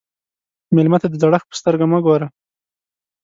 مېلمه ته د زړښت په سترګه مه ګوره.